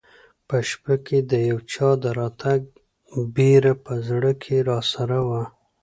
په شپه کې د یو چا د راتګ بېره په زړه کې راسره وه.